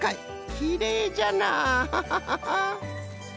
きれいじゃなあ。